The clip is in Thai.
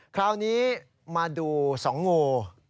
คราวนี้มาดู๒งู